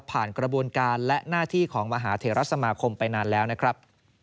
กระบวนการและหน้าที่ของมหาเทรสมาคมไปนานแล้วนะครับ